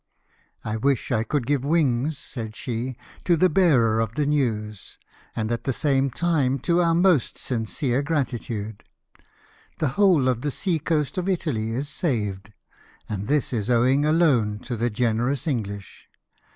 " I wish I could give wings," said she, " to the bearer of the news, and at the same time to our most sincere gratitude. The whole of the sea coast of Italy is saved; and this is owing alone to the generous English.